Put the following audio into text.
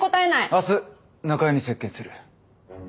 明日中江に接見する。